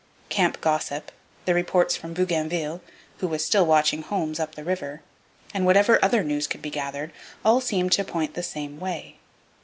Camp gossip, the reports from Bougainville, who was still watching Holmes up the river, and whatever other news could be gathered, all seemed to point the same way.